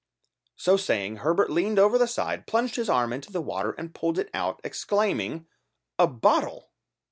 So saying, Herbert leaning over the side, plunged his arm into the water and pulled it out, exclaiming, "A bottle!"